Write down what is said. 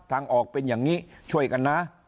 ทางออกเป็นอย่างนี้ช่วยกันนะ